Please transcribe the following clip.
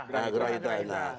nah gerah hitam